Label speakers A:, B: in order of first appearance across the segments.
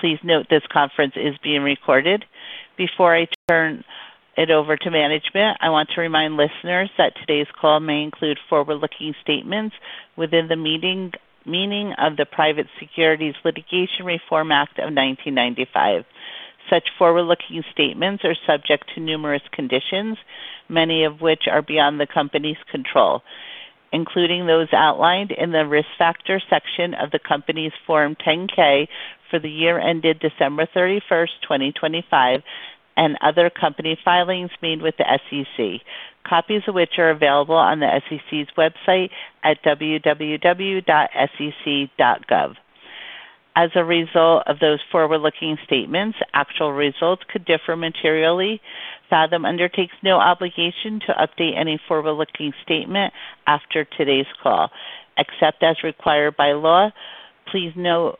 A: Please note this conference is being recorded. Before I turn it over to management, I want to remind listeners that today's call may include forward-looking statements within the meaning of the Private Securities Litigation Reform Act of 1995. Such forward-looking statements are subject to numerous conditions, many of which are beyond the company's control, including those outlined in the Risk Factor section of the company's Form 10-K for the year ended December 31st, 2025, and other company filings made with the SEC, copies of which are available on the SEC's website at www.sec.gov. As a result of those forward-looking statements, actual results could differ materially. Fathom undertakes no obligation to update any forward-looking statement after today's call, except as required by law. Please note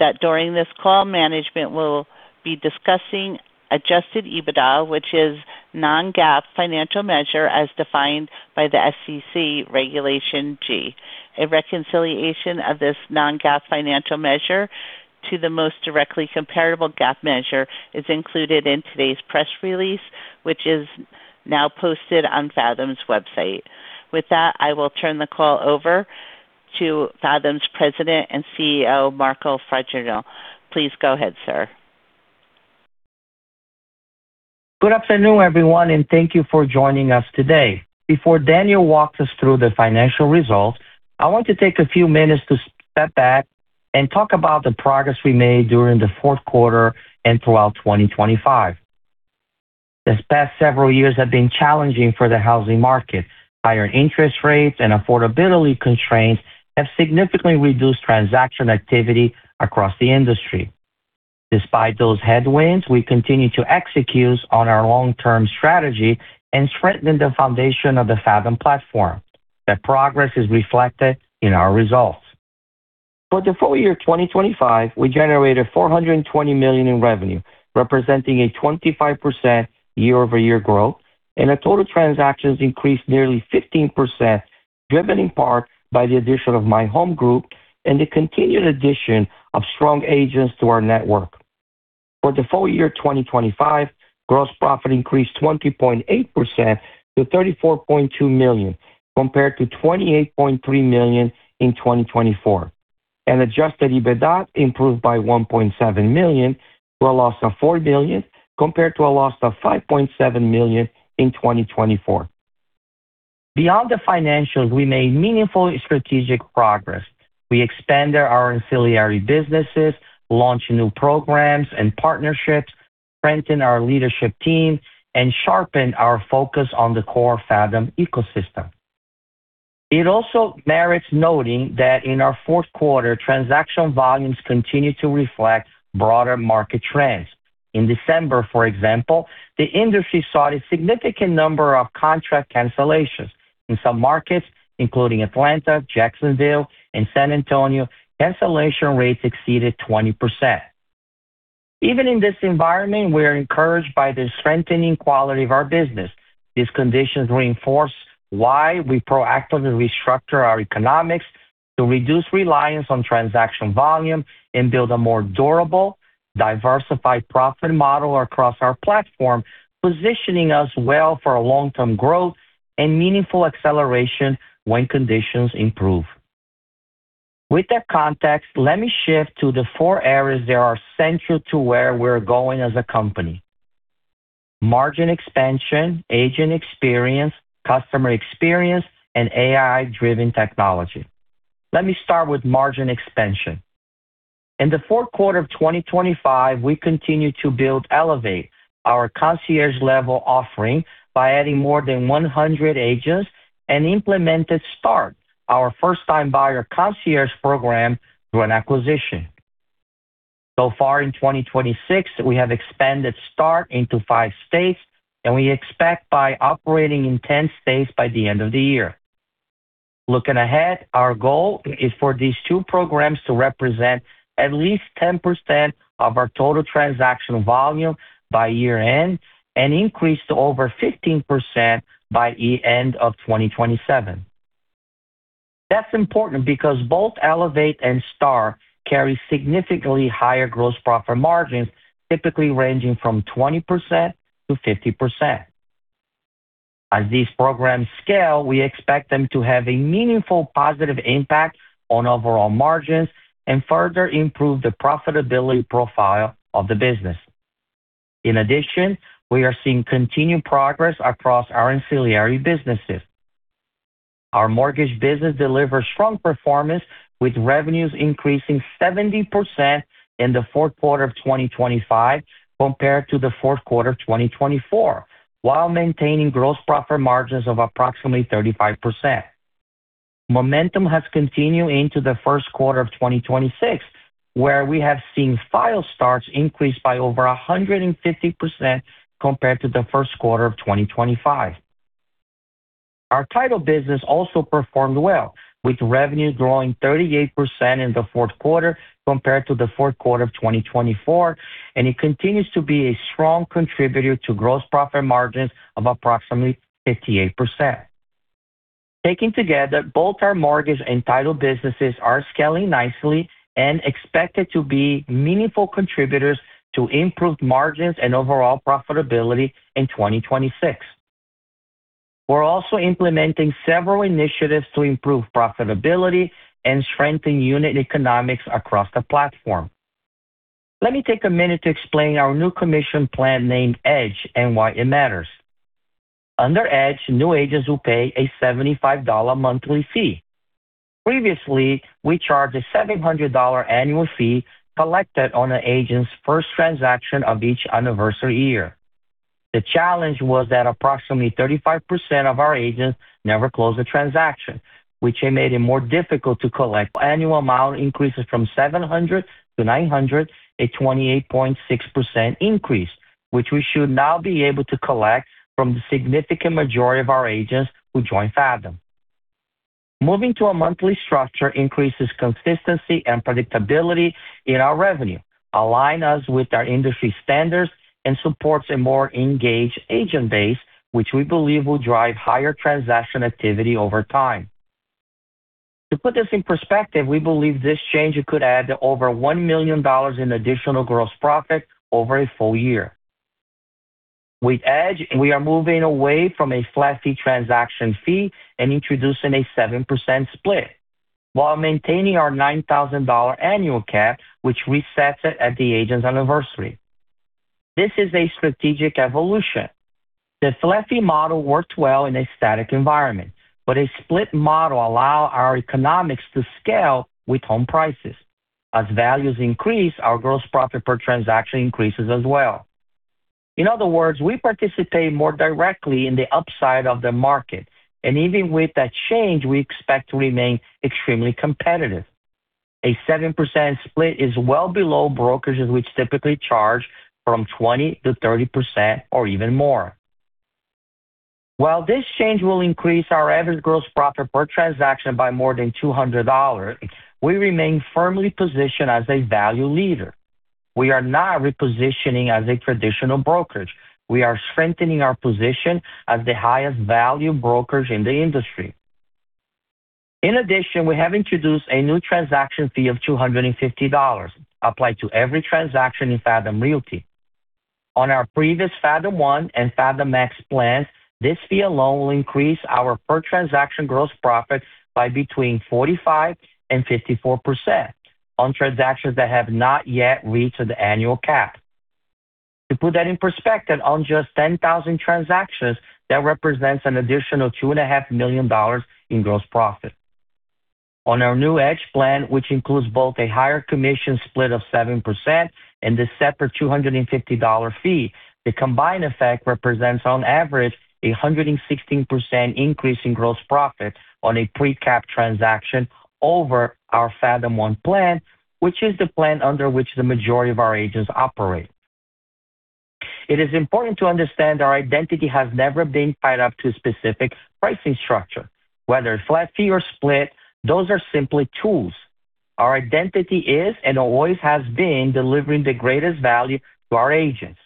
A: that during this call, management will be discussing Adjusted EBITDA, which is a non-GAAP financial measure as defined by the SEC Regulation G. A reconciliation of this non-GAAP financial measure to the most directly comparable GAAP measure is included in today's press release, which is now posted on Fathom's website. With that, I will turn the call over to Fathom's President and CEO, Marco Fregenal. Please go ahead, sir.
B: Good afternoon, everyone, and thank you for joining us today. Before Daniel walks us through the financial results, I want to take a few minutes to step back and talk about the progress we made during the Q4 and throughout 2025. These past several years have been challenging for the housing market. Higher interest rates and affordability constraints have significantly reduced transaction activity across the industry. Despite those headwinds, we continue to execute on our long-term strategy and strengthen the foundation of the Fathom platform. That progress is reflected in our results. For the full year 2025, we generated $420 million in revenue, representing a 25% year-over-year growth, and our total transactions increased nearly 15%, driven in part by the addition of My Home Group and the continued addition of strong agents to our network. For the full year 2025, gross profit increased 20.8% to $34.2 million, compared to $28.3 million in 2024, and adjusted EBITDA improved by $1.7 million to a loss of $4 million, compared to a loss of $5.7 million in 2024. Beyond the financials, we made meaningful strategic progress. We expanded our ancillary businesses, launched new programs and partnerships, strengthened our leadership team, and sharpened our focus on the core Fathom ecosystem. It also merits noting that in our Q4, transaction volumes continued to reflect broader market trends. In December, for example, the industry saw a significant number of contract cancellations. In some markets, including Atlanta, Jacksonville, and San Antonio, cancellation rates exceeded 20%. Even in this environment, we are encouraged by the strengthening quality of our business. These conditions reinforce why we proactively restructure our economics to reduce reliance on transaction volume and build a more durable, diversified profit model across our platform, positioning us well for long-term growth and meaningful acceleration when conditions improve. With that context, let me shift to the four areas that are central to where we're going as a company: margin expansion, agent experience, customer experience, and AI-driven technology. Let me start with margin expansion. In the Q4 of 2025, we continued to build Elevate, our concierge-level offering, by adding more than 100 agents and implemented START, our first-time buyer concierge program, through an acquisition. So far in 2026, we have expanded START into five states, and we expect by operating in ten states by the end of the year. Looking ahead, our goal is for these two programs to represent at least 10% of our total transaction volume by year-end and increase to over 15% by the end of 2027. That's important because both Elevate and START carry significantly higher gross profit margins, typically ranging from 20% to 50%. As these programs scale, we expect them to have a meaningful positive impact on overall margins and further improve the profitability profile of the business. In addition, we are seeing continued progress across our ancillary businesses. Our mortgage business delivered strong performance, with revenues increasing 70% in the Q4 of 2025 compared to the Q4 of 2024, while maintaining gross profit margins of approximately 35%. Momentum has continued into the Q1 of 2026, where we have seen file starts increase by over 150% compared to the Q1 of 2025. Our title business also performed well, with revenues growing 38% in the Q4 compared to the Q4 of 2024, and it continues to be a strong contributor to gross profit margins of approximately 58%. Taking together, both our mortgage and title businesses are scaling nicely and expected to be meaningful contributors to improved margins and overall profitability in 2026. We're also implementing several initiatives to improve profitability and strengthen unit economics across the platform. Let me take a minute to explain our new commission plan named Edge and why it matters. Under Edge, new agents will pay a $75 monthly fee. Previously, we charged a $700 annual fee collected on an agent's first transaction of each anniversary year. The challenge was that approximately 35% of our agents never closed a transaction, which had made it more difficult to collect. The annual amount increases from $700 to $900, a 28.6% increase, which we should now be able to collect from the significant majority of our agents who join Fathom. Moving to a monthly structure increases consistency and predictability in our revenue, align us with our industry standards, and supports a more engaged agent base, which we believe will drive higher transaction activity over time. To put this in perspective, we believe this change could add over $1 million in additional gross profit over a full year. With Edge, we are moving away from a flat fee transaction fee and introducing a 7% split while maintaining our $9,000 annual cap, which resets it at the agent's anniversary. This is a strategic evolution. The flat fee model worked well in a static environment, but a split model allow our economics to scale with home prices. As values increase, our gross profit per transaction increases as well. In other words, we participate more directly in the upside of the market. Even with that change, we expect to remain extremely competitive. A 7% split is well below brokerages which typically charge from 20% to 30% or even more. While this change will increase our average gross profit per transaction by more than $200, we remain firmly positioned as a value leader. We are not repositioning as a traditional brokerage. We are strengthening our position as the highest value brokerage in the industry. In addition, we have introduced a new transaction fee of $250 applied to every transaction in Fathom Realty. On our previous Fathom One and Fathom Max plans, this fee alone will increase our per transaction gross profits by between 45% to 54% on transactions that have not yet reached the annual cap. To put that in perspective, on just 10,000 transactions, that represents an additional $2.5 million in gross profit. On our new Edge plan, which includes both a higher commission split of 7% and the separate $250 fee, the combined effect represents on average 116% increase in gross profit on a pre-cap transaction over our Fathom One plan, which is the plan under which the majority of our agents operate. It is important to understand our identity has never been tied up to a specific pricing structure. Whether flat fee or split, those are simply tools. Our identity is and always has been delivering the greatest value to our agents.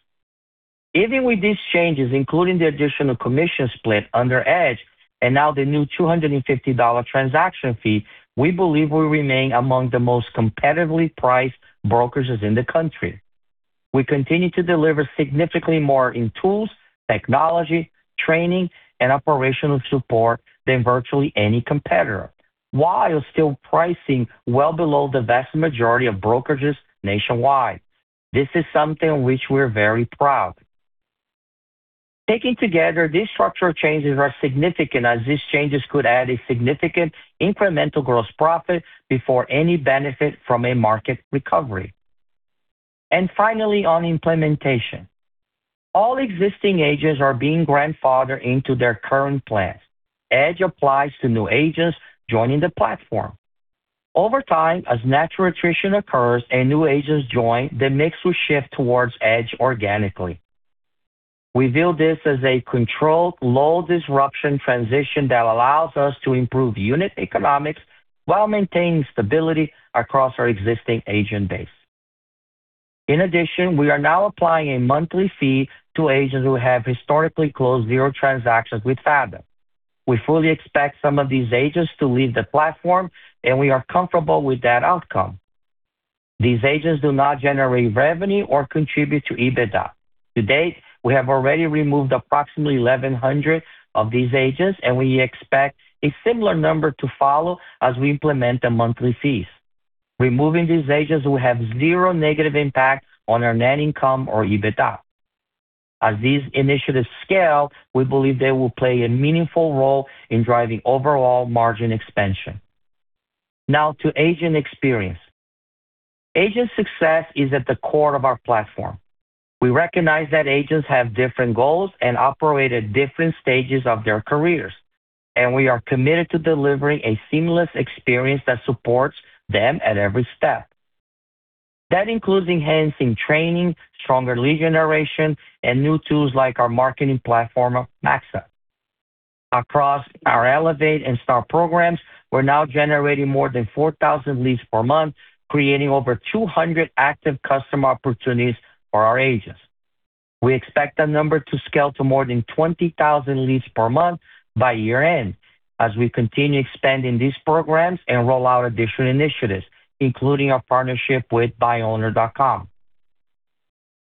B: Even with these changes, including the additional commission split under Edge and now the new $250 transaction fee, we believe we remain among the most competitively priced brokerages in the country. We continue to deliver significantly more in tools, technology, training, and operational support than virtually any competitor, while still pricing well below the vast majority of brokerages nationwide. This is something which we're very proud. Taking together, these structural changes are significant as these changes could add a significant incremental gross profit before any benefit from a market recovery. Finally, on implementation, all existing agents are being grandfathered into their current plan. Edge applies to new agents joining the platform. Over time, as natural attrition occurs and new agents join, the mix will shift towards Edge organically. We view this as a controlled, low disruption transition that allows us to improve unit economics while maintaining stability across our existing agent base. In addition, we are now applying a monthly fee to agents who have historically closed zero transactions with Fathom. We fully expect some of these agents to leave the platform, and we are comfortable with that outcome. These agents do not generate revenue or contribute to EBITDA. To date, we have already removed approximately 1,100 of these agents, and we expect a similar number to follow as we implement the monthly fees. Removing these agents will have zero negative impact on our net income or EBITDA. As these initiatives scale, we believe they will play a meaningful role in driving overall margin expansion. Now to agent experience. Agent success is at the core of our platform. We recognize that agents have different goals and operate at different stages of their careers, and we are committed to delivering a seamless experience that supports them at every step. That includes enhancing training, stronger lead generation, and new tools like our marketing platform, MAXA. Across our Elevate and START programs, we're now generating more than 4,000 leads per month, creating over 200 active customer opportunities for our agents. We expect that number to scale to more than 20,000 leads per month by year-end as we continue expanding these programs and roll out additional initiatives, including our partnership with byowner.com.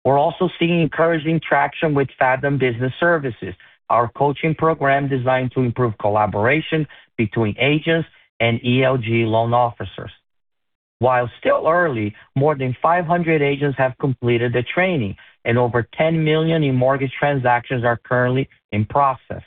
B: We're also seeing encouraging traction with Fathom Business Services, our coaching program designed to improve collaboration between agents and ELG loan officers. While still early, more than 500 agents have completed the training and over $10 million in mortgage transactions are currently in process.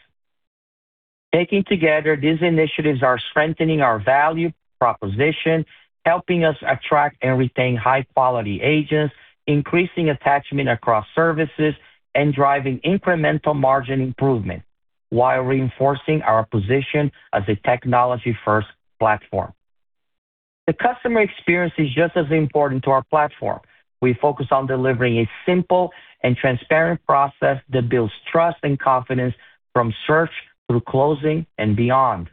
B: Taken together, these initiatives are strengthening our value proposition, helping us attract and retain high-quality agents, increasing attachment across services, and driving incremental margin improvement while reinforcing our position as a technology-first platform. The customer experience is just as important to our platform. We focus on delivering a simple and transparent process that builds trust and confidence from search through closing and beyond.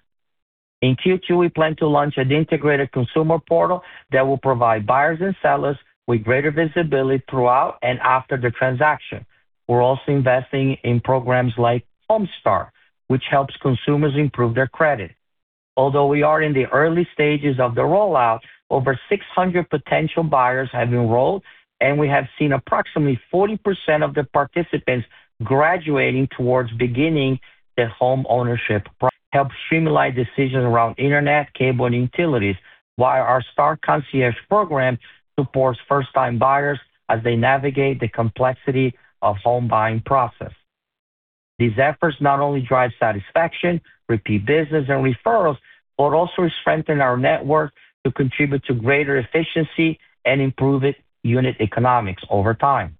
B: In Q2, we plan to launch an integrated consumer portal that will provide buyers and sellers with greater visibility throughout and after the transaction. We're also investing in programs like HOMESTAR, which helps consumers improve their credit. Although we are in the early stages of the rollout, over 600 potential buyers have enrolled, and we have seen approximately 40% of the participants graduating towards beginning the homeownership process. It helps streamline decisions around internet, cable, and utilities, while our START Concierge program supports first-time buyers as they navigate the complexity of home buying process. These efforts not only drive satisfaction, repeat business, and referrals, but also strengthen our network to contribute to greater efficiency and improve unit economics over time.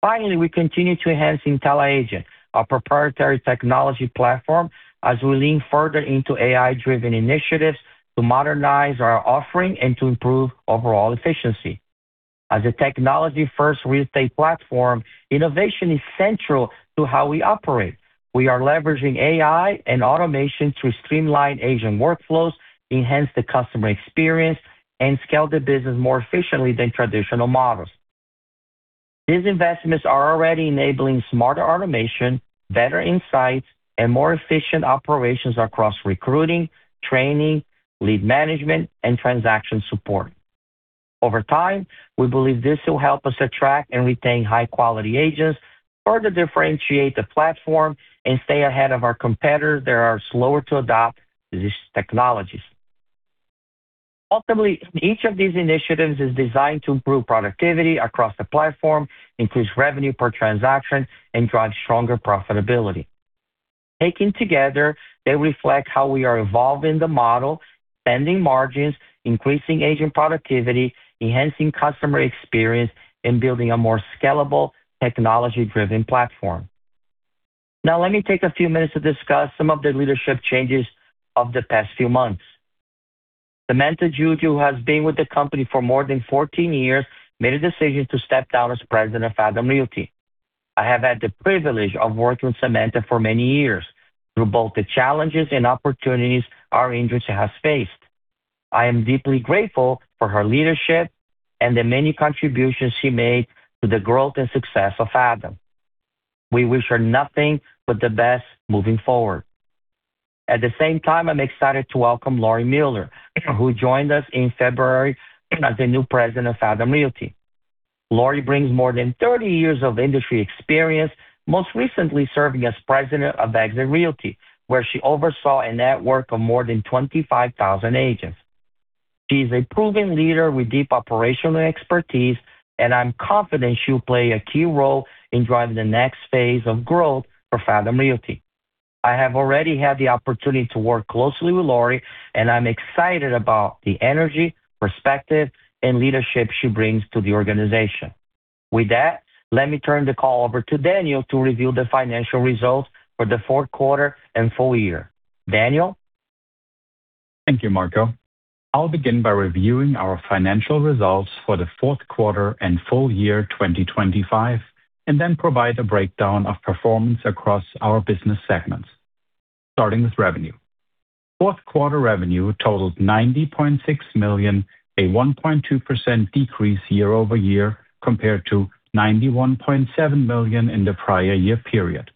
B: Finally, we continue to enhance intelliAgent, our proprietary technology platform, as we lean further into AI-driven initiatives to modernize our offering and to improve overall efficiency. As a technology-first real estate platform, innovation is central to how we operate. We are leveraging AI and automation to streamline agent workflows, enhance the customer experience, and scale the business more efficiently than traditional models. These investments are already enabling smarter automation, better insights, and more efficient operations across recruiting, training, lead management, and transaction support. Over time, we believe this will help us attract and retain high-quality agents, further differentiate the platform, and stay ahead of our competitors that are slower to adopt these technologies. Ultimately, each of these initiatives is designed to improve productivity across the platform, increase revenue per transaction, and drive stronger profitability. Taken together, they reflect how we are evolving the model, expanding margins, increasing agent productivity, enhancing customer experience, and building a more scalable technology-driven platform. Now, let me take a few minutes to discuss some of the leadership changes of the past few months. Samantha Giuggio, who has been with the company for more than 14 years, made a decision to step down as President of Fathom Realty. I have had the privilege of working with Samantha for many years through both the challenges and opportunities our industry has faced. I am deeply grateful for her leadership and the many contributions she made to the growth and success of Fathom. We wish her nothing but the best moving forward. At the same time, I'm excited to welcome Lori Muller, who joined us in February as the new President of Fathom Realty. Lori brings more than 30 years of industry experience, most recently serving as President of EXIT Realty, where she oversaw a network of more than 25,000 agents. She is a proven leader with deep operational expertise, and I'm confident she will play a key role in driving the next phase of growth for Fathom Realty. I have already had the opportunity to work closely with Lori, and I'm excited about the energy, perspective, and leadership she brings to the organization. With that, let me turn the call over to Daniel to review the financial results for the Q4 and full year. Daniel?
C: Thank you, Marco. I'll begin by reviewing our financial results for the Q4 and full year 2025, and then provide a breakdown of performance across our business segments. Starting with revenue. Q4 revenue totaled $90.6 million, a 1.2% decrease year-over-year compared to $91.7 million in the prior year period.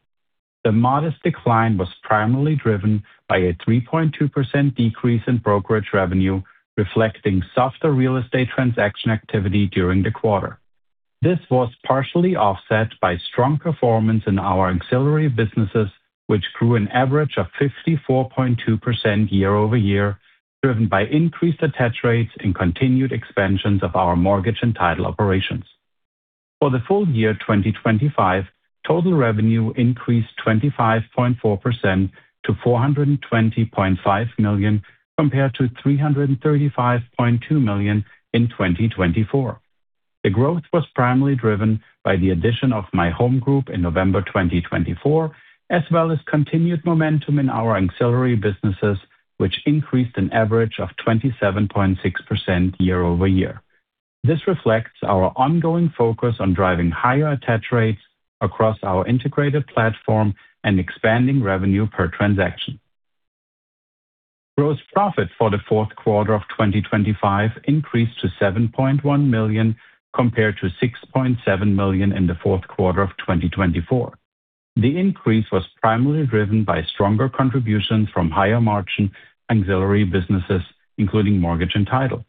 C: The modest decline was primarily driven by a 3.2% decrease in brokerage revenue, reflecting softer real estate transaction activity during the quarter. This was partially offset by strong performance in our ancillary businesses, which grew an average of 54.2% year-over-year, driven by increased attach rates and continued expansions of our mortgage and title operations. For the full year 2025, total revenue increased 25.4% to $420.5 million, compared to $335.2 million in 2024. The growth was primarily driven by the addition of My Home Group in November 2024, as well as continued momentum in our ancillary businesses, which increased an average of 27.6% year over year. This reflects our ongoing focus on driving higher attach rates across our integrated platform and expanding revenue per transaction. Gross profit for the Q4 of 2025 increased to $7.1 million compared to $6.7 million in the Q4 of 2024. The increase was primarily driven by stronger contributions from higher margin ancillary businesses, including mortgage and title.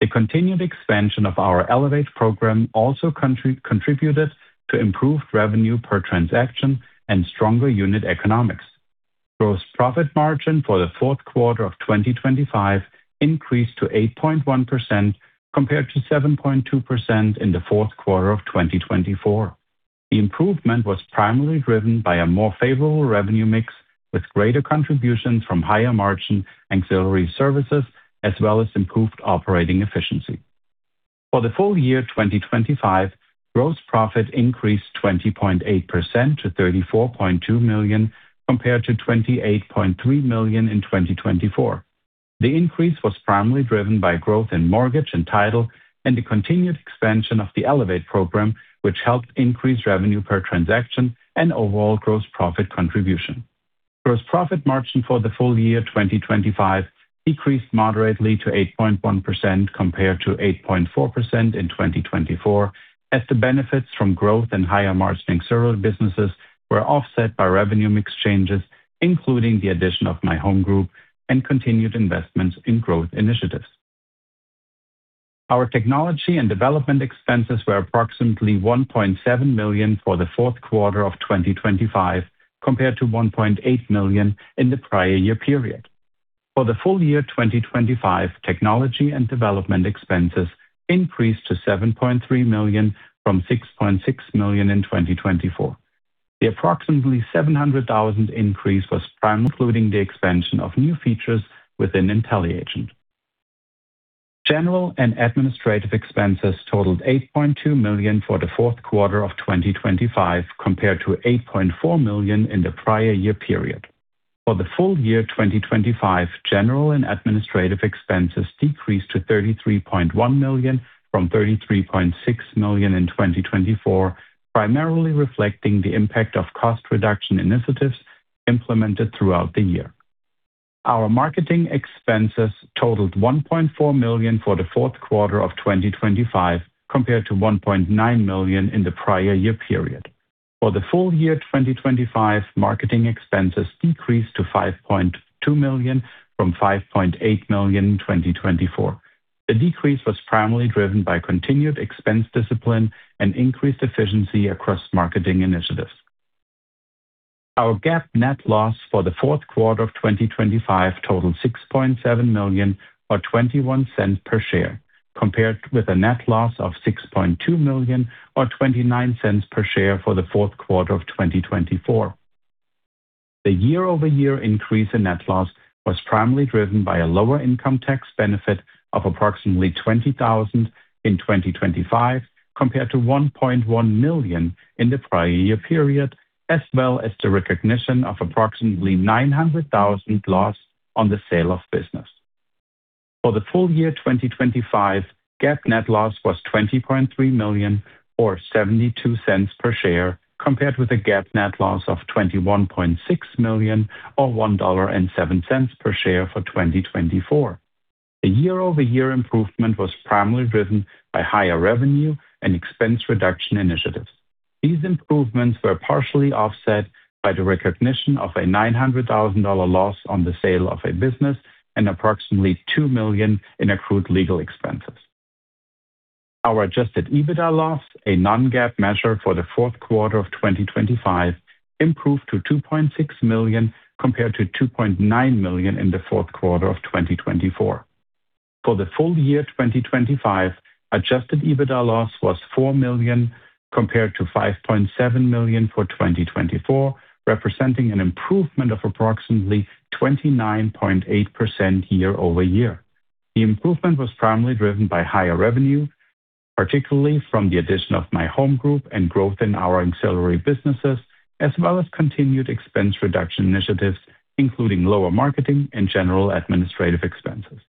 C: The continued expansion of our Elevate program also contributed to improved revenue per transaction and stronger unit economics. Gross profit margin for the Q4 of 2025 increased to 8.1% compared to 7.2% in the Q4 of 2024. The improvement was primarily driven by a more favorable revenue mix with greater contributions from higher margin ancillary services as well as improved operating efficiency. For the full year 2025, gross profit increased 20.8% to $34.2 million compared to $28.3 million in 2024. The increase was primarily driven by growth in mortgage and title and the continued expansion of the Elevate program, which helped increase revenue per transaction and overall gross profit contribution. Gross profit margin for the full year 2025 decreased moderately to 8.1% compared to 8.4% in 2024, as the benefits from growth and higher margin several businesses were offset by revenue mix changes, including the addition of My Home Group and continued investments in growth initiatives. Our technology and development expenses were approximately $1.7 million for the Q4 of 2025 compared to $1.8 million in the prior year period. For the full year 2025, technology and development expenses increased to $7.3 million from $6.6 million in 2024. The approximately $700,000 increase was primarily, including the expansion of new features within intelliAgent. General and administrative expenses totaled $8.2 million for the Q4 of 2025 compared to $8.4 million in the prior year period. For the full year 2025, general and administrative expenses decreased to $33.1 million from $33.6 million in 2024, primarily reflecting the impact of cost reduction initiatives implemented throughout the year. Our marketing expenses totaled $1.4 million for the Q4 of 2025 compared to $1.9 million in the prior year period. For the full year 2025, marketing expenses decreased to $5.2 million from $5.8 million in 2024. The decrease was primarily driven by continued expense discipline and increased efficiency across marketing initiatives. Our GAAP net loss for the Q4 of 2025 totaled $6.7 million or $0.21 per share, compared with a net loss of $6.2 million or $0.29 per share for the Q4 of 2024. The year-over-year increase in net loss was primarily driven by a lower income tax benefit of approximately $20,000 in 2025 compared to $1.1 million in the prior year period, as well as the recognition of approximately $900,000 loss on the sale of business. For the full year 2025, GAAP net loss was $20.3 million or $0.72 per share, compared with a GAAP net loss of $21.6 million or $1.07 per share for 2024. The year-over-year improvement was primarily driven by higher revenue and expense reduction initiatives. These improvements were partially offset by the recognition of a $900,000 dollar loss on the sale of a business and approximately $2 million in accrued legal expenses. Our Adjusted EBITDA loss, a non-GAAP measure for the Q4 of 2025, improved to $2.6 million compared to $2.9 million in the Q4 of 2024. For the full year 2025, Adjusted EBITDA loss was $4 million compared to $5.7 million for 2024, representing an improvement of approximately 29.8% year-over-year. The improvement was primarily driven by higher revenue, particularly from the addition of My Home Group and growth in our ancillary businesses, as well as continued expense reduction initiatives, including lower marketing and general administrative expenses.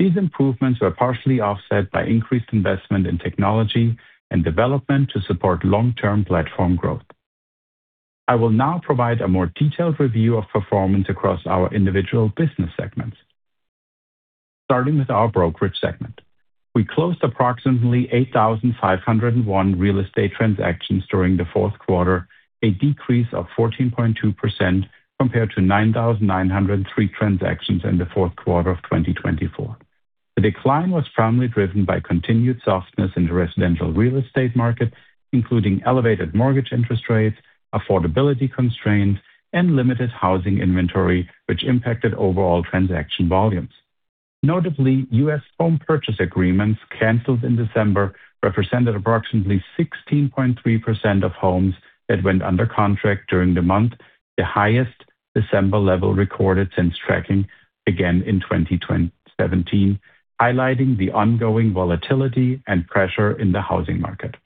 C: These improvements were partially offset by increased investment in technology and development to support long-term platform growth. I will now provide a more detailed review of performance across our individual business segments. Starting with our brokerage segment. We closed approximately 8,501 real estate transactions during the Q4, a decrease of 14.2% compared to 9,903 transactions in the Q4 of 2024. The decline was primarily driven by continued softness in the residential real estate market, including elevated mortgage interest rates, affordability constraints, and limited housing inventory, which impacted overall transaction volumes. Notably, US home purchase agreements canceled in December represented approximately 16.3% of homes that went under contract during the month, the highest December level recorded since tracking began in 2017, highlighting the ongoing volatility and pressure in the housing market.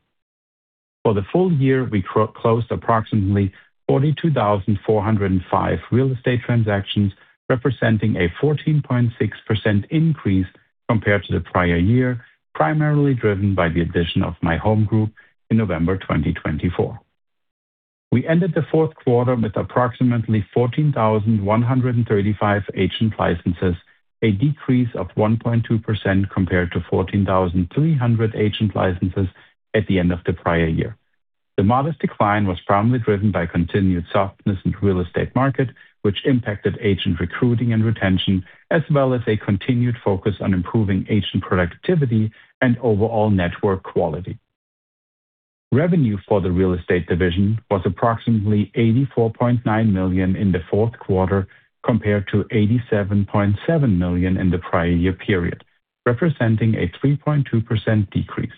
C: For the full year, we closed approximately 42,405 real estate transactions, representing a 14.6% increase compared to the prior year, primarily driven by the addition of My Home Group in November 2024. We ended the Q4 with approximately 14,135 agent licenses, a decrease of 1.2% compared to 14,300 agent licenses at the end of the prior year. The modest decline was primarily driven by continued softness in real estate market, which impacted agent recruiting and retention, as well as a continued focus on improving agent productivity and overall network quality. Revenue for the real estate division was approximately $84.9 million in the Q4 compared to $87.7 million in the prior year period, representing a 3.2% decrease.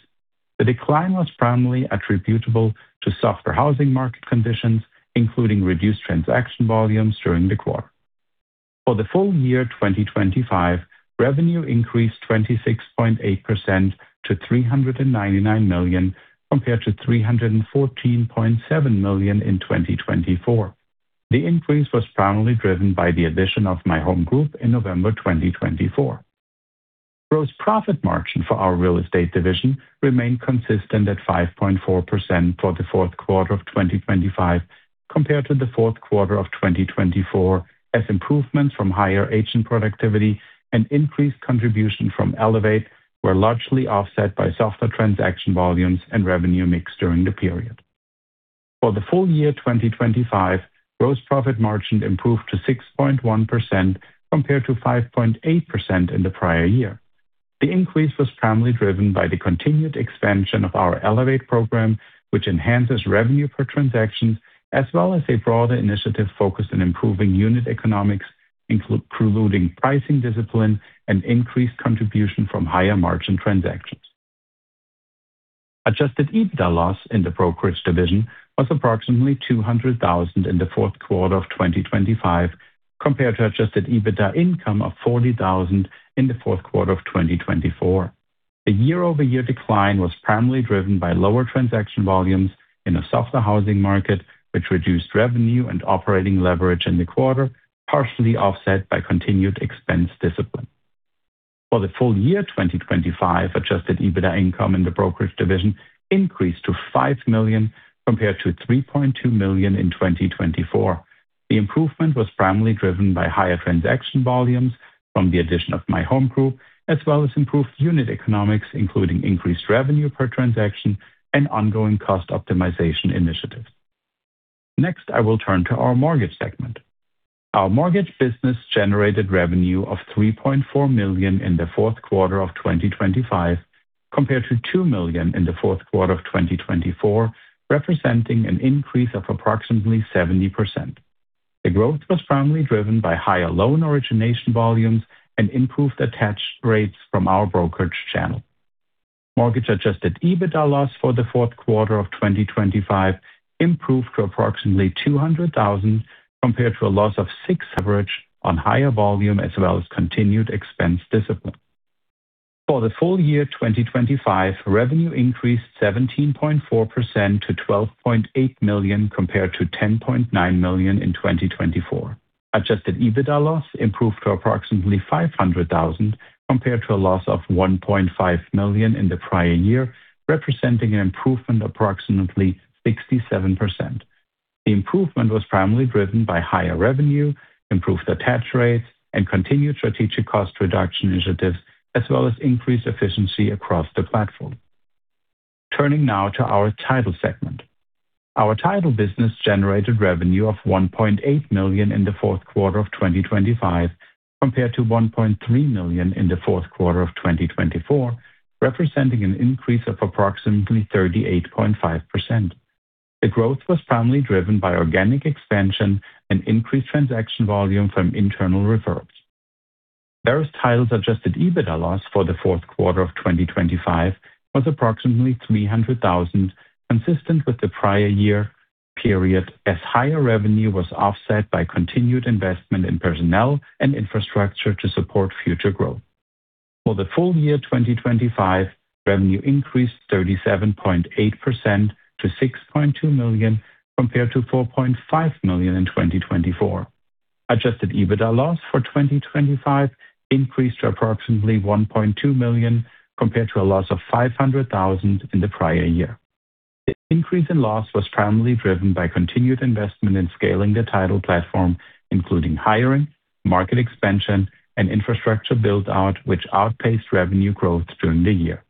C: The decline was primarily attributable to softer housing market conditions, including reduced transaction volumes during the quarter. For the full year 2025, revenue increased 26.8% to $399 million, compared to $314.7 million in 2024. The increase was primarily driven by the addition of My Home Group in November 2024. Gross profit margin for our real estate division remained consistent at 5.4% for the Q4 of 2025 compared to the Q4 of 2024 as improvements from higher agent productivity and increased contribution from Elevate were largely offset by softer transaction volumes and revenue mix during the period. For the full year 2025, gross profit margin improved to 6.1% compared to 5.8% in the prior year. The increase was primarily driven by the continued expansion of our Elevate program, which enhances revenue per transaction, as well as a broader initiative focused on improving unit economics, including pricing discipline and increased contribution from higher-margin transactions. Adjusted EBITDA loss in the brokerage division was approximately $200,000 in the Q4 of 2025 compared to adjusted EBITDA income of $40,000 in the Q4 of 2024. The year-over-year decline was primarily driven by lower transaction volumes in a softer housing market, which reduced revenue and operating leverage in the quarter, partially offset by continued expense discipline. For the full year 2025, adjusted EBITDA income in the brokerage division increased to $5 million compared to $3.2 million in 2024. The improvement was primarily driven by higher transaction volumes from the addition of My Home Group, as well as improved unit economics, including increased revenue per transaction and ongoing cost optimization initiatives. Next, I will turn to our mortgage segment. Our mortgage business generated revenue of $3.4 million in the Q4 of 2025 compared to $2 million in the Q4 of 2024, representing an increase of approximately 70%. The growth was primarily driven by higher loan origination volumes and improved attach rates from our brokerage channel. Mortgage Adjusted EBITDA loss for the Q4 of 2025 improved to approximately $200,000 compared to a loss of $600,000 on higher volume as well as continued expense discipline. For the full year 2025, revenue increased 17.4% to $12.8 million compared to $10.9 million in 2024. Adjusted EBITDA loss improved to approximately $500,000 compared to a loss of $1.5 million in the prior year, representing an improvement approximately 67%. The improvement was primarily driven by higher revenue, improved attach rates, and continued strategic cost reduction initiatives, as well as increased efficiency across the platform. Turning now to our title segment. Our title business generated revenue of $1.8 million in the Q4 of 2025 compared to $1.3 million in the Q4 of 2024, representing an increase of approximately 38.5%. The growth was primarily driven by organic expansion and increased transaction volume from internal referrals. Verus Title's Adjusted EBITDA loss for the Q4 of 2025 was approximately $300,000, consistent with the prior year period as higher revenue was offset by continued investment in personnel and infrastructure to support future growth. For the full year 2025, revenue increased 37.8% to $6.2 million compared to $4.5 million in 2024. Adjusted EBITDA loss for 2025 increased to approximately $1.2 million compared to a loss of $500,000 in the prior year. The increase in loss was primarily driven by continued investment in scaling the title platform, including hiring, market expansion, and infrastructure build-out, which outpaced revenue growth during the year.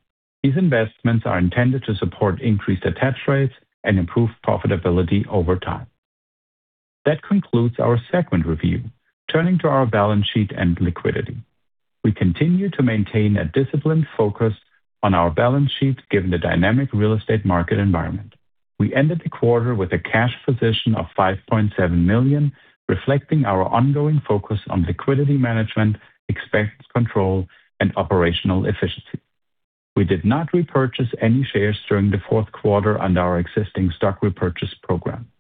C: These investments are intended to support increased attach rates and improve profitability over time. That concludes our segment review. Turning to our balance sheet and liquidity. We continue to maintain a disciplined focus on our balance sheet given the dynamic real estate market environment. We ended the quarter with a cash position of $5.7 million, reflecting our ongoing focus on liquidity management, expense control, and operational efficiency. We did not repurchase any shares during the Q4 under our existing stock repurchase program.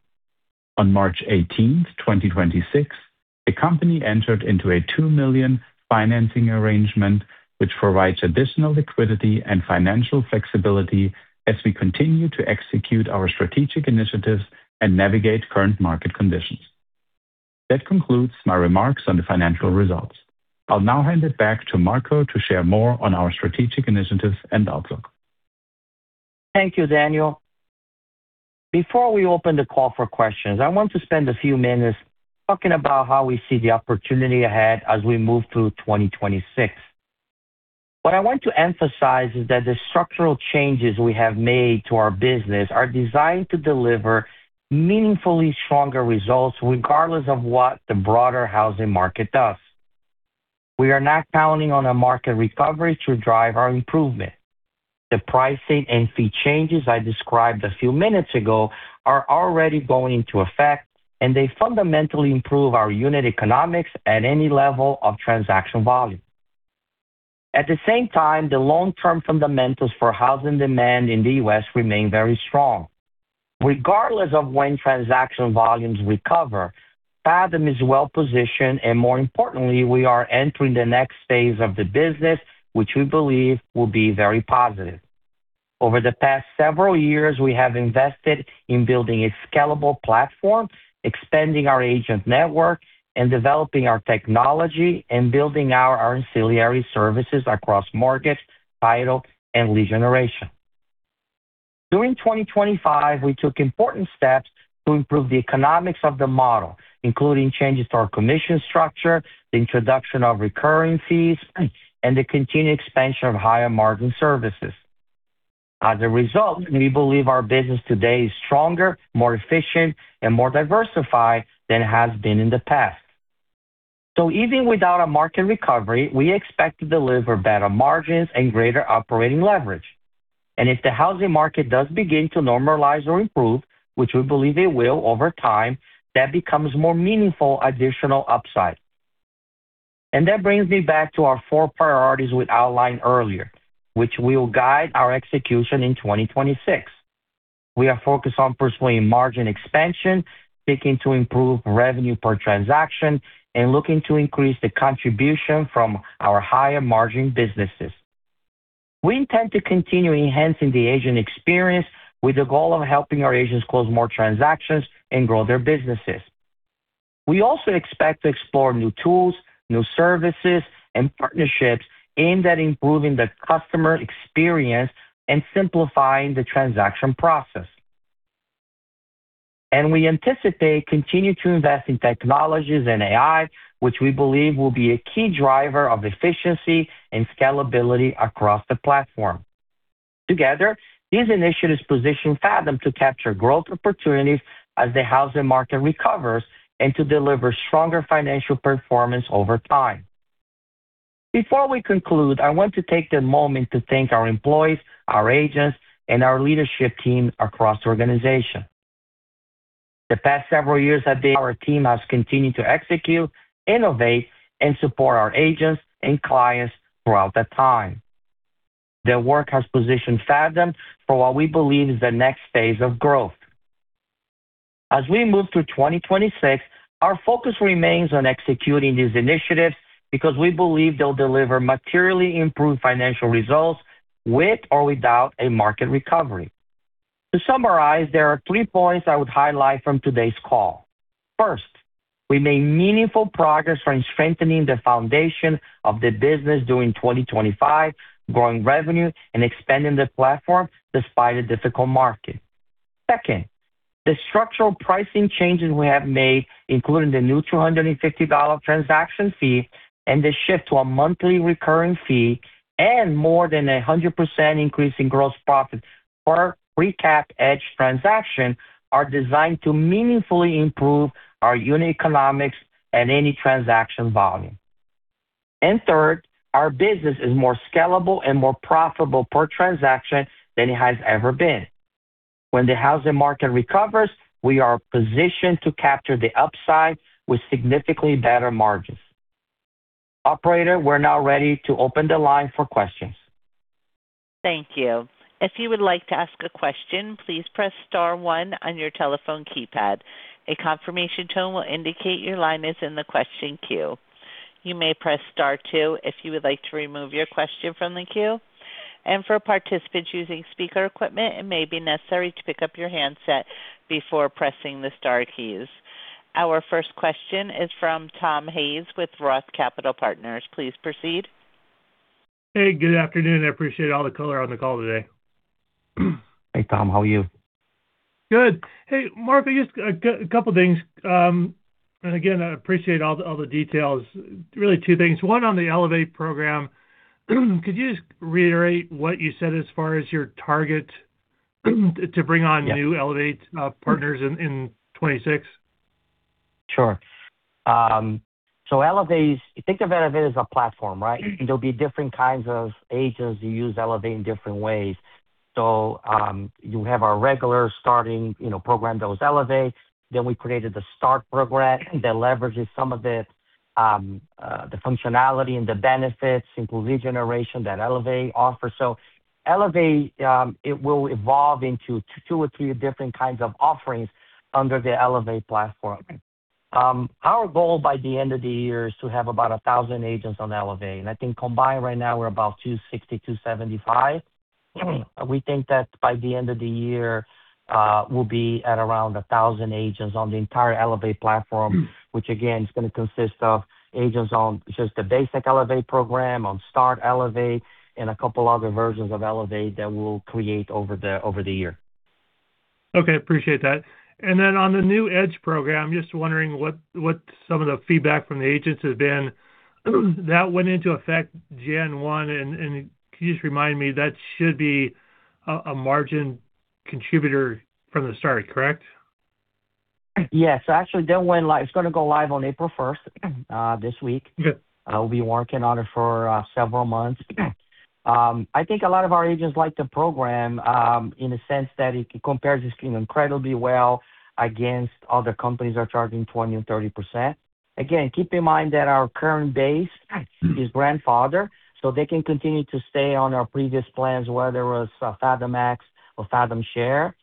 C: On March 18th, 2026, the company entered into a $2 million financing arrangement, which provides additional liquidity and financial flexibility as we continue to execute our strategic initiatives and navigate current market conditions. That concludes my remarks on the financial results. I'll now hand it back to Marco to share more on our strategic initiatives and outlook.
B: Thank you, Daniel. Before we open the call for questions, I want to spend a few minutes talking about how we see the opportunity ahead as we move through 2026. What I want to emphasize is that the structural changes we have made to our business are designed to deliver meaningfully stronger results regardless of what the broader housing market does. We are not counting on a market recovery to drive our improvement. The pricing and fee changes I described a few minutes ago are already going into effect, and they fundamentally improve our unit economics at any level of transaction volume. At the same time, the long-term fundamentals for housing demand in the US remain very strong. Regardless of when transaction volumes recover, Fathom is well-positioned, and more importantly, we are entering the next phase of the business, which we believe will be very positive. Over the past several years, we have invested in building a scalable platform, expanding our agent network, and developing our technology and building out our ancillary services across market, title, and lead generation. During 2025, we took important steps to improve the economics of the model, including changes to our commission structure, the introduction of recurring fees, and the continued expansion of higher margin services. As a result, we believe our business today is stronger, more efficient, and more diversified than it has been in the past. Even without a market recovery, we expect to deliver better margins and greater operating leverage. If the housing market does begin to normalize or improve, which we believe it will over time, that becomes more meaningful additional upside. That brings me back to our four priorities we outlined earlier, which will guide our execution in 2026. We are focused on pursuing margin expansion, seeking to improve revenue per transaction, and looking to increase the contribution from our higher margin businesses. We intend to continue enhancing the agent experience with the goal of helping our agents close more transactions and grow their businesses. We also expect to explore new tools, new services, and partnerships aimed at improving the customer experience and simplifying the transaction process. We anticipate continuing to invest in technologies and AI, which we believe will be a key driver of efficiency and scalability across the platform. Together, these initiatives position Fathom to capture growth opportunities as the housing market recovers and to deliver stronger financial performance over time. Before we conclude, I want to take a moment to thank our employees, our agents, and our leadership team across the organization. The past several years, our team has continued to execute, innovate, and support our agents and clients throughout that time. Their work has positioned Fathom for what we believe is the next phase of growth. As we move through 2026, our focus remains on executing these initiatives because we believe they'll deliver materially improved financial results with or without a market recovery. To summarize, there are three points I would highlight from today's call. First, we made meaningful progress on strengthening the foundation of the business during 2025, growing revenue and expanding the platform despite a difficult market. Second, the structural pricing changes we have made, including the new $250 transaction fee and the shift to a monthly recurring fee and more than 100% increase in gross profit per recapped Edge transaction, are designed to meaningfully improve our unit economics at any transaction volume. Third, our business is more scalable and more profitable per transaction than it has ever been. When the housing market recovers, we are positioned to capture the upside with significantly better margins. Operator, we're now ready to open the line for questions.
A: Thank you. If you would like to ask a question, please press star one on your telephone keypad. A confirmation tone will indicate your line is in the question queue. You may press star two if you would like to remove your question from the queue. For participants using speaker equipment, it may be necessary to pick up your handset before pressing the star keys. Our first question is from Tom Hayes with Roth Capital Partners. Please proceed.
D: Hey, good afternoon. I appreciate all the color on the call today.
B: Hey, Tom. How are you?
D: Good. Hey, Marco, just a couple things. Again, I appreciate all the details. Really two things. One on the Elevate program. Could you just reiterate what you said as far as your target to bring on new Elevate partners in 2026?
B: Sure. Elevate, think of Elevate as a platform, right? There'll be different kinds of agents who use Elevate in different ways. You have our regular starter, you know, program that was Elevate. We created the START program that leverages some of the functionality and the benefits, including lead generation that Elevate offers. Elevate, it will evolve into two or three different kinds of offerings under the Elevate platform. Our goal by the end of the year is to have about 1,000 agents on Elevate. I think combined right now we're about 260 to 275. We think that by the end of the year, we'll be at around 1,000 agents on the entire Elevate platform, which again is going to consist of agents on just the basic Elevate program, on Fathom Elevate, and a couple other versions of Elevate that we'll create over the year.
D: Okay. Appreciate that. Then on the New Edge program, just wondering what some of the feedback from the agents has been. That went into effect January 1st. Can you just remind me, that should be a margin contributor from the start, correct?
B: Yes. Actually, it's going to go live on April 1st, this week.
D: Good.
B: We've been working on it for several months. I think a lot of our agents like the program in a sense that it compares extremely incredibly well against other companies that are charging 20% and 30%. Again, keep in mind that our current base is grandfathered, so they can continue to stay on our previous plans, whether it's Fathom Max or Fathom Share.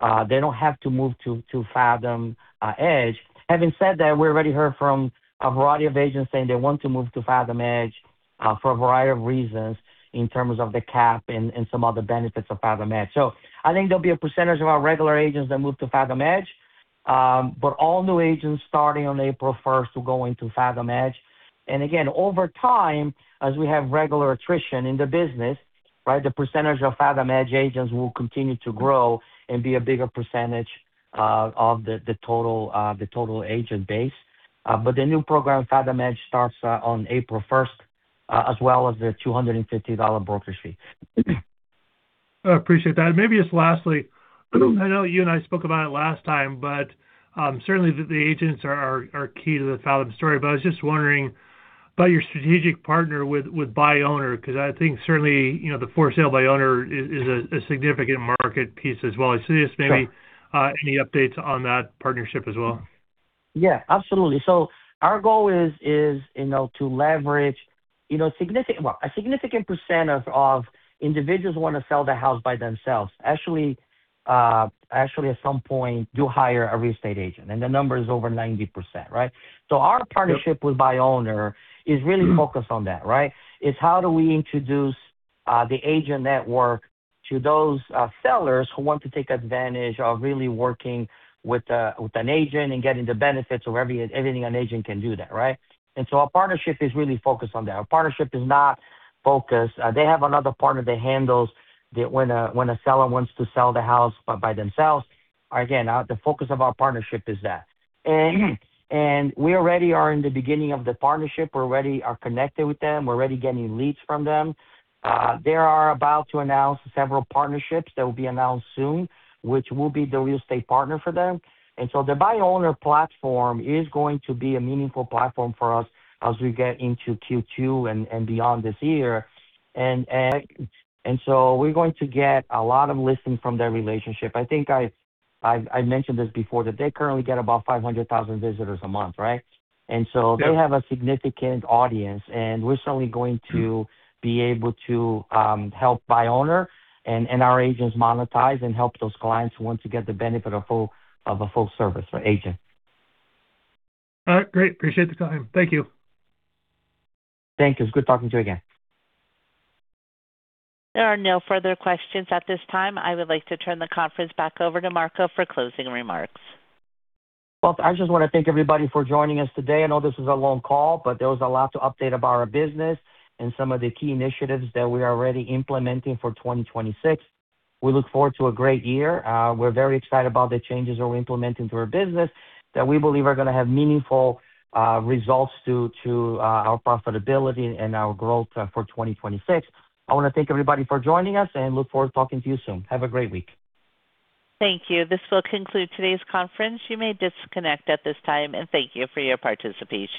B: They don't have to move to Fathom Edge. Having said that, we already heard from a variety of agents saying they want to move to Fathom Edge for a variety of reasons in terms of the cap and some other benefits of Fathom Edge. I think there'll be a percentage of our regular agents that move to Fathom Edge. All new agents starting on April first will go into Fathom Edge. Again, over time, as we have regular attrition in the business, right. The percentage of Fathom Edge agents will continue to grow and be a bigger percentage of the total agent base. But the new program, Fathom Edge, starts on April 1st, as well as the $250 broker fee.
D: I appreciate that. Maybe just lastly, I know you and I spoke about it last time, but certainly the agents are key to the Fathom story. I was just wondering about your strategic partner with ByOwner, cause I think certainly, you know, the for sale by owner is a significant market piece as well. just maybe-
B: Sure.
D: Any updates on that partnership as well?
B: Yeah, absolutely. Our goal is, you know, to leverage, you know, a significant percent of individuals who want to sell their house by themselves actually at some point do hire a real estate agent, and the number is over 90%, right? Our partnership-
D: Yep.
B: Our partnership with ByOwner is really focused on that, right. It's how do we introduce the agent network to those sellers who want to take advantage of really working with an agent and getting the benefits of everything an agent can do there, right? Our partnership is really focused on that. Our partnership is not focused. They have another partner that handles when a seller wants to sell the house by themselves. Again, the focus of our partnership is that. We already are in the beginning of the partnership. We already are connected with them. We're already getting leads from them. They are about to announce several partnerships that will be announced soon, which we'll be the real estate partner for them. The ByOwner platform is going to be a meaningful platform for us as we get into Q2 and so we're going to get a lot of listings from that relationship. I think I've mentioned this before that they currently get about 500,000 visitors a month, right?
D: Yep.
B: They have a significant audience, and we're certainly going to be able to help ByOwner and our agents monetize and help those clients who want to get the benefit of a full service or agent.
D: All right. Great. Appreciate the time. Thank you.
B: Thank you. It's good talking to you again.
A: There are no further questions at this time. I would like to turn the conference back over to Marco for closing remarks.
B: Well, I just want to thank everybody for joining us today. I know this is a long call, but there was a lot to update about our business and some of the key initiatives that we are already implementing for 2026. We look forward to a great year. We're very excited about the changes that we're implementing to our business that we believe are going to have meaningful results to our profitability and our growth for 2026. I want to thank everybody for joining us and look forward to talking to you soon. Have a great week.
A: Thank you. This will conclude today's conference. You may disconnect at this time and thank you for your participation.